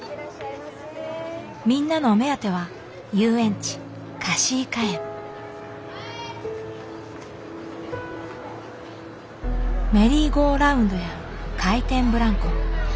みんなのお目当てはメリーゴーラウンドや回転ブランコ。